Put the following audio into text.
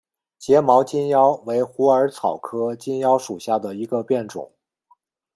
睫毛金腰为虎耳草科金腰属下的一个变种。